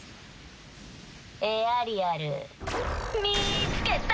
エアリアル見つけた！